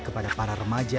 kepada para remaja